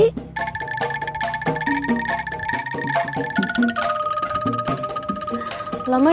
lama ya nunggunya